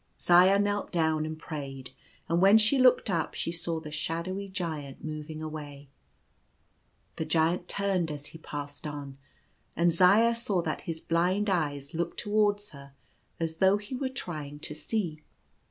Zaya knelt down and prayed ; and when she looked up she saw the shadowy Giant moving away. The Giant turned as he passed on, and Zaya saw that his blind eyes looked towards her as though he were try ing to see.